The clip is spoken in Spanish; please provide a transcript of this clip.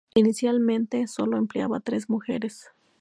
Inicialmente sólo empleaba tres mujeres.